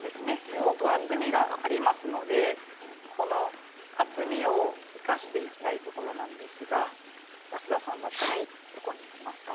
すごく厚みがありますのでこの厚みを生かしていきたいところなんですが安田さんだったらどこに打ちますか？